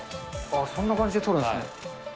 そんな感じで取るんすね。